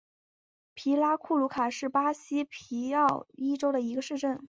皮拉库鲁卡是巴西皮奥伊州的一个市镇。